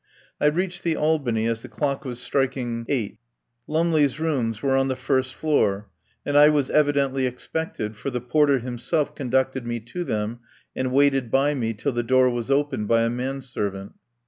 I reached the Albany as the clock was strik 189 THE POWER HOUSE ing eight. Lumley's rooms were on the first floor, and I was evidently expected, for the porter himself conducted me to them and waited by me till the door was opened by a man servant.